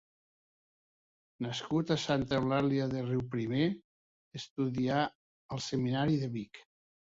Nascut a Santa Eulàlia de Riuprimer, estudià al Seminari de Vic.